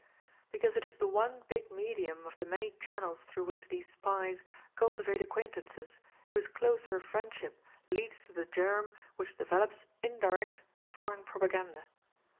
Because it is the one big medium of the many channels through which these SPIES cultivate acquaintances whose closer friendship leads to the germ which develops indirect, foreign propaganda.